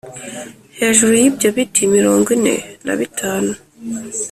Hejuru y’ibyo biti mirongo ine na bitanu